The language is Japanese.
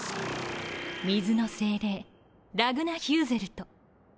水の精霊ラグナ・ヒューゼルト。